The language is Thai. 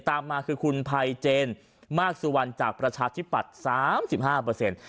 ตามมาคือคุณภัยเจนมากสุวรรณจากประชาธิปัตย์สามสิบห้าเปอร์เซ็นต์